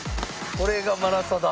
これがマラサダ。